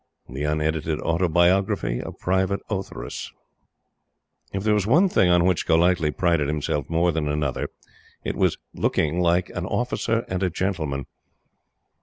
The Unedited Autobiography of Private Ortheris. IF there was one thing on which Golightly prided himself more than another, it was looking like "an Officer and a gentleman."